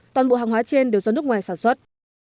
toàn bộ hàng hóa trên đều do nước ngoài sản xuất